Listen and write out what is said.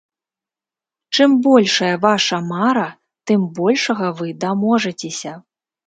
Чым большая ваша мара, тым большага вы даможацеся.